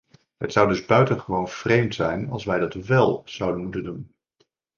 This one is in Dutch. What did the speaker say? Het zou dus buitengewoon vreemd zijn als wij dat wél zouden moeten doen.